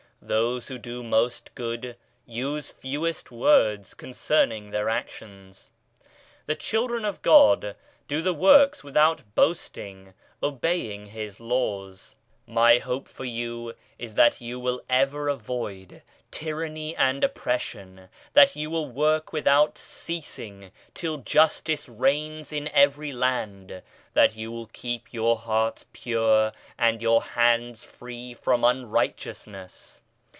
Those who do most good use fewest words concerning their actions. The children of God do the works without boasting, obeying His laws. My hope for you is that you will ever avoid tyranny and oppression ; that you will work without ceasing till Justice reigns in every land, that you will keep your hearts pure and your hands free from unrighteousness.